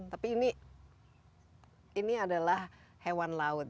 tapi ini ini adalah hewan laut